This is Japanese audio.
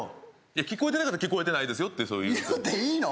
聞こえてなかったら聞こえてないですよってそう言うていいの？